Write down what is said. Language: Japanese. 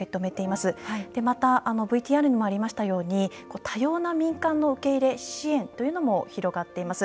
また、ＶＴＲにもありましたように多様な民間の受け入れ支援というのも広がっています。